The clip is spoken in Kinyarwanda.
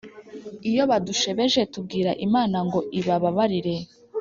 iyo badushebeje tubwira imana ngo ibaba barire.